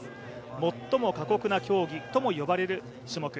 最も過酷な競技とも呼ばれる種目。